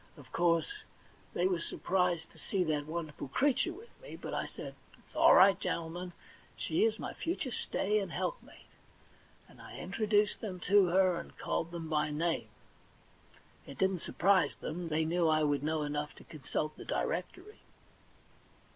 Of course THE £1,000,000 BANK NOTE 35 they were surprised to see that wonderful creature with me, but I said : *It's all right, gentlemen; she is my future stay and helpmate.' And I introduced them to her, and called them by name. It didn't surprise them ; they knew I would know enough to consult the directory.